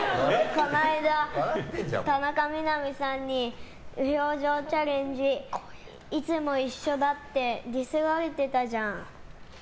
この間、田中みな実さんに無表情チャレンジいつも一緒だってディスられたじゃん。